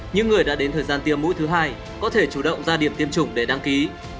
những người đã đến thời gian tiêm mũi thứ hai có thể chủ động ra điểm tiêm chủng để đăng ký